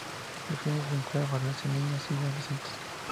El fin es inculcar valores en niños y adolescentes".